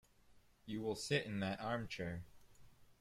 You will sit in that arm-chair.